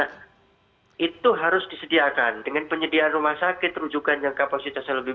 nah itu harus disediakan dengan penyediaan rumah sakit rujukan yang kapasitasnya lebih